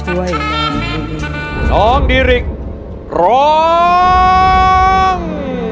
สวัสดีครับ